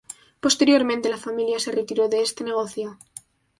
Posteriormente la familia se retiró de este negocio.